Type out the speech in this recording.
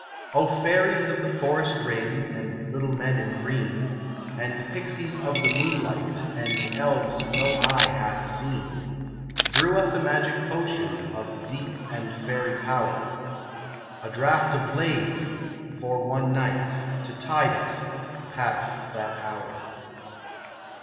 O fairies of the forest ring, and little men in green, And pixies of the moonlight, and elves no eye hath seen, Brew us a magic potion, of deep and fairy power, A draught of Lethe for one night to tide us past that hour.